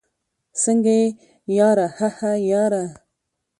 څنګه يې ياره؟ هههه ياره